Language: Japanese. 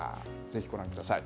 ぜひご覧ください。